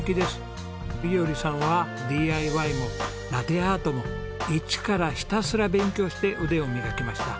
衣織さんはＤＩＹもラテアートも一からひたすら勉強して腕を磨きました。